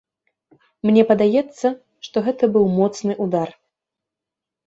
Мне падаецца, што гэта быў моцны ўдар.